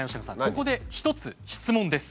ここで１つ質問です。